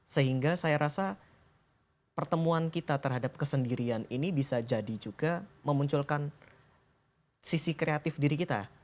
sehingga saya rasa pertemuan kita terhadap kesendirian ini bisa jadi juga memunculkan sisi kreatif diri kita